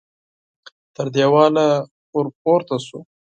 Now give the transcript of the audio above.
تر دېواله ور پورته شو.